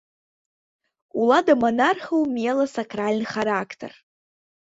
Улада манархаў мела сакральны характар.